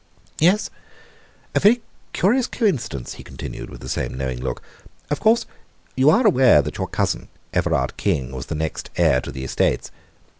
"Yes, a very curious coincidence," he continued, with the same knowing look. "Of course, you are aware that your cousin Everard King was the next heir to the estates.